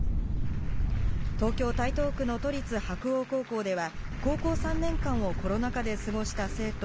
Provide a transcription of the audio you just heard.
東京・台東区の都立白鴎高校では高校３年間をコロナ禍で過ごした生徒